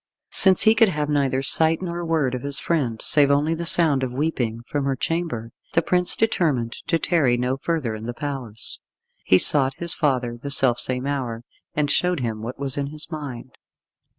Since he could have neither sight nor word of his friend, save only the sound of weeping from her chamber, the prince determined to tarry no further in the palace. He sought his father the self same hour, and showed him what was in his mind.